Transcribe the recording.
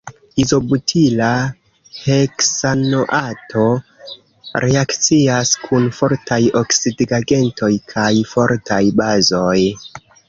Izobutila heksanoato reakcias kun fortaj oksidigagentoj kaj fortaj bazoj.